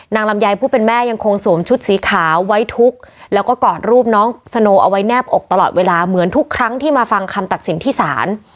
ลำไยผู้เป็นแม่ยังคงสวมชุดสีขาวไว้ทุกข์แล้วก็กอดรูปน้องสโนเอาไว้แนบอกตลอดเวลาเหมือนทุกครั้งที่มาฟังคำตัดสินที่ศาล